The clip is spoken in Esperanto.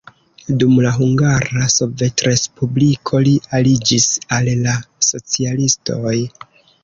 Dum la Hungara Sovetrespubliko li aliĝis al la socialistoj.